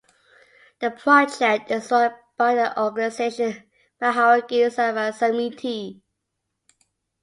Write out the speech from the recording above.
The project is run by the organisation Maharogi Seva Samiti.